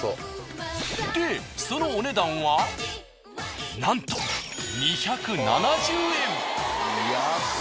でそのお値段はなんと２７０円。